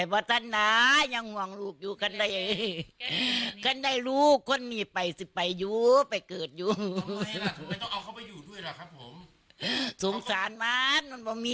พ้างแล้วเศร้าสดิบบันเนียเศร้าโสตค่ะ